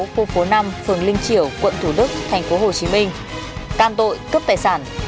khu phố năm phường linh triểu quận thủ đức thành phố hồ chí minh can tội cướp tài sản